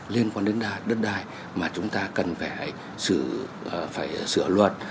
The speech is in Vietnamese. liên quan đến đất đai mà chúng ta cần phải sửa luật